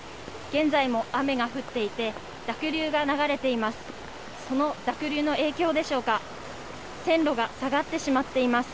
現在も雨が降っていて濁流が流れています。